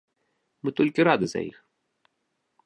Мы толькі рады за іх.